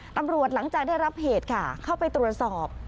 หลังจากได้รับเหตุค่ะเข้าไปตรวจสอบ